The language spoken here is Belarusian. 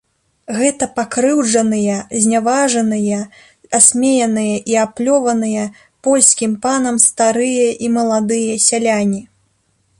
Гэта пакрыўджаныя, зняважаныя, асмеяныя і аплёваныя польскім панам старыя і маладыя сяляне.